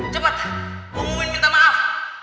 cepat umumin minta maaf